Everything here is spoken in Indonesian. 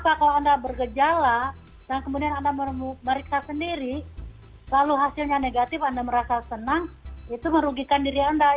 karena jika anda bergejala dan kemudian anda memeriksa sendiri lalu hasilnya negatif anda merasa senang itu merugikan diri anda